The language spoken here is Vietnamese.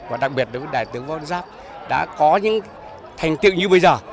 và đặc biệt với đại tướng văn giáp đã có những thành tựu như bây giờ